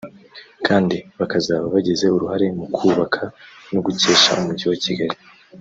kandi bakazaba bagize uruhare mu kubaka no gukesha umujyi wa Kigali